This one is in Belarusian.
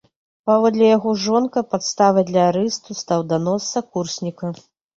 Паводле яго жонка, падставай для арышту стаў данос сакурсніка.